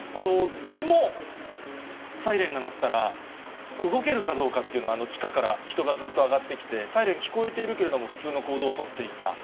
でも、サイレンが鳴ったら、動けるかどうかというのは、地下から人がずっと上がってきて、サイレン聞こえているけれども、普通の行動を取っていた。